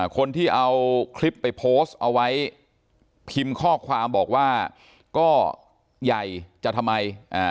คนที่เอาคลิปไปโพสต์เอาไว้พิมพ์ข้อความบอกว่าก็ใหญ่จะทำไม